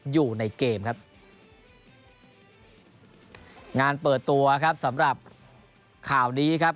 อยู่ในเกมครับงานเปิดตัวครับสำหรับข่าวนี้ครับ